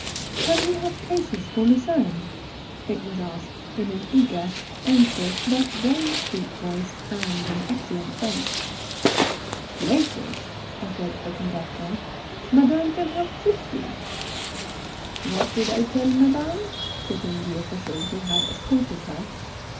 "Can we have places for Lucerne?" It was asked in an eager, anxious, but very sweet voice, and in excellent French. "Places?" echoed the conductor. "Madame can have fifty." "What did I tell madame?" put in the official who had escorted her.